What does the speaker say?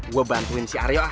gue bantuin si aryo